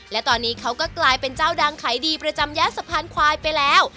และตอนนี้เขาก็กลายเป็นเจ้าดังขายดีประจำย่านสะพานควายไปแล้ว